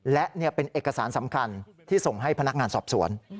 และเป็นเอกสารสำคัญที่ส่งให้พนักงานสอบสวน